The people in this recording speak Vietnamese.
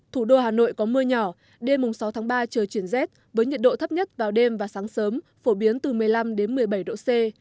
thủ đô hà nội có mưa nhỏ đêm sáu tháng ba trời chuyển rét với nhiệt độ thấp nhất vào đêm và sáng sớm phổ biến từ một mươi năm một mươi bảy độ c